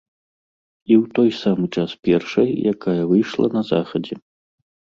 І ў той самы час першай, якая выйшла на захадзе.